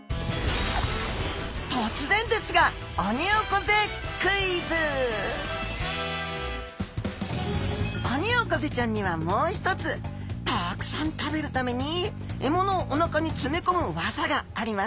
突然ですがオニオコゼちゃんにはもう一つたくさん食べるために獲物をお腹に詰め込む技があります。